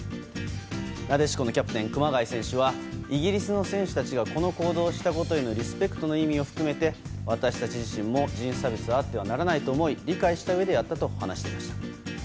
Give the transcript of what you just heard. なでしこのキャプテン熊谷選手はイギリスの選手たちがこの行動をしたことへのリスペクトの意味を含めて私たち自身も人種差別はあってはならないと理解したうえでやったと話していました。